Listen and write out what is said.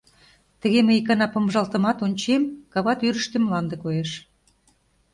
Тыге мый икана, помыжалтымат, ончем: кава тӱрыштӧ мланде коеш.